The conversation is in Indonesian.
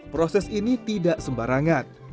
proses ini tidak sembarangan